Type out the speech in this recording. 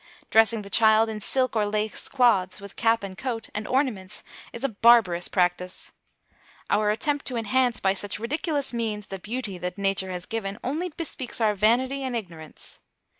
Dressing the child in silk or lace cloths, with cap and coat, and ornaments, is a barbarous practice. Our attempt to enhance by such ridiculous means the beauty that Nature has given, only bespeaks our vanity and ignorance.